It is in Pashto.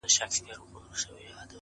د امیر اطاعت واجب دی